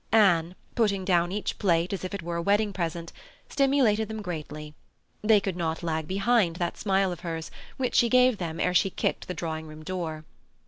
Anne, putting down each plate as if it were a wedding present, stimulated them greatly. They could not lag behind that smile of hers which she gave them ere she kicked the drawing room door.